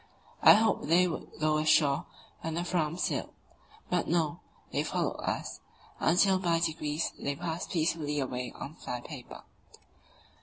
I hoped they would go ashore when the Fram sailed; but no, they followed us, until by degrees they passed peacefully away on fly paper.